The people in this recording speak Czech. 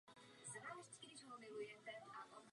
Tím soupeřem bylo anglické Middlesbrough.